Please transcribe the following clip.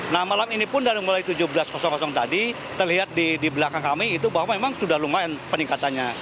nah malam ini pun dari mulai tujuh belas tadi terlihat di belakang kami itu bahwa memang sudah lumayan peningkatannya